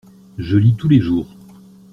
Je lis tous les jours.